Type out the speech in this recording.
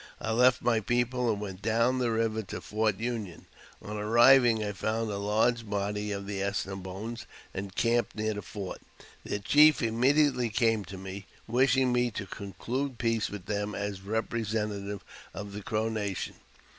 I left my people, and went? down the river to Fort Union. On arriving, I found a large body of the As ne boines encamped near the fort. Their chiefs _ immediately came to me, wishing me to conclude peace witljB them as representative of the Crow nation.